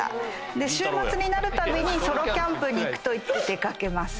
で週末になるたびに「ソロキャンプに行く」と言って出掛けます。